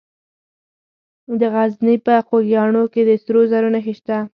د غزني په خوږیاڼو کې د سرو زرو نښې شته.